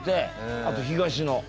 あと東野。